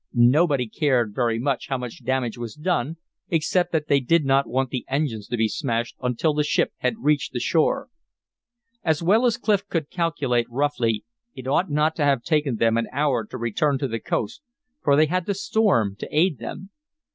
Nobody cared very much how much damage was done, except that they did not want the engines to be smashed until the ship had reached the shore. As well as Clif could calculate roughly, it ought not to have taken them an hour to return to the coast, for they had the storm to aid them.